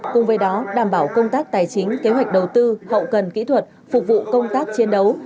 cùng với đó đảm bảo công tác tài chính kế hoạch đầu tư hậu cần kỹ thuật phục vụ công tác chiến đấu